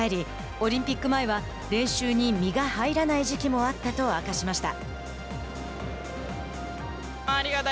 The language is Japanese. オリンピック前は練習に身が入らない時期もあったと明かしました。